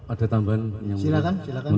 ada tambahan yang mau saya izinkan